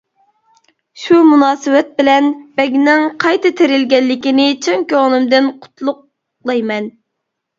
شۇ مۇناسىۋەت بىلەن بەگنىڭ قايتا تىرىلگەنلىكىنى چىن كۆڭلۈمدىن قۇتلۇقلايمەن!